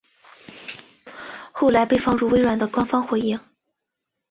后来被放入微软的官方回应。